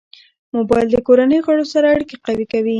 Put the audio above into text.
موبایل د کورنۍ غړو سره اړیکه قوي کوي.